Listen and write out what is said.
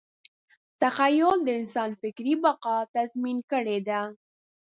تخیل د انسان فکري بقا تضمین کړې ده.